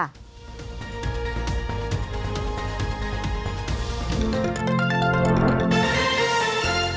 โปรดติดตามตอนต่อไป